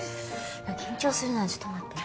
緊張するなぁ、ちょっと待って。